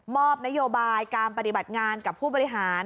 อบนโยบายการปฏิบัติงานกับผู้บริหาร